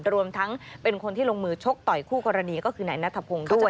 รวมทั้งเป็นคนที่ลงมือชกต่อยคู่กรณีก็คือนายนัทพงศ์ด้วย